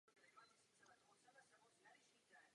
A je to zkratka Alexandry.